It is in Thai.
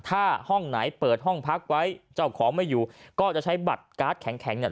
ถ้าห้องไหนเปิดห้องพักไว้เจ้าของไม่อยู่ก็จะใช้บัตรการ์ดแข็งเนี่ย